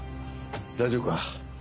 大丈夫か？